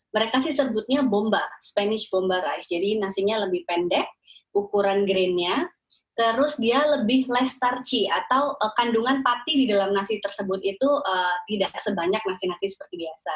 mereka sih sebutnya bomba spanish bomba rice jadi nasinya lebih pendek ukuran greennya terus dia lebih less starchi atau kandungan pati di dalam nasi tersebut itu tidak sebanyak nasi nasi seperti biasa